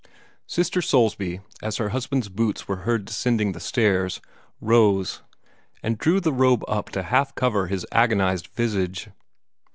Sister Soulsby, as her husband's boots were heard descending the stairs, rose, and drew the robe up to half cover his agonized visage.